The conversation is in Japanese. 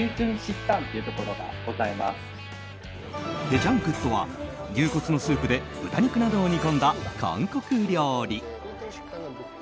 ヘジャングッとは牛骨のスープで豚肉などを煮込んだ韓国料理。